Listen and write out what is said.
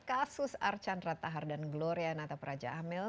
kasus arcan rattahar dan gloria natapraja amel